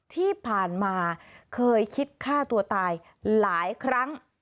ที่ผ่านมาเคยคิดฆ่าตัวตายหลายครั้ง